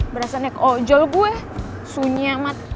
berasa nek ojol gue sunyi amat